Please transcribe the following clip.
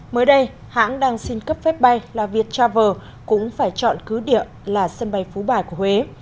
mới đây hãng đang xin cấp phép bay là viettravel cũng phải chọn cứ địa là sân bay phú bài của huế